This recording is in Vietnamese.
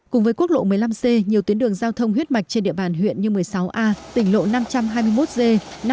cùng với quốc lộ một mươi năm c nhiều tuyến đường giao thông huyết mạch trên địa bàn huyện như một mươi sáu a tỉnh lộ năm trăm hai mươi một g năm trăm sáu mươi